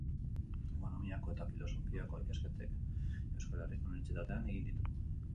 Ekonomiako eta Filosofiako ikasketak Euskal Herriko Unibertsitatean egin ditu.